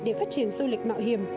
để phát triển du lịch mạo hiểm